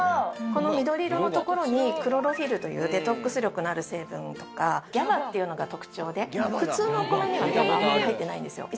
この緑色のところにクロロフィルというデトックス力のある成分とかギャバっていうのが特徴で普通のお米にはギャバ入ってないんですよ。